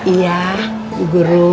iya bu guru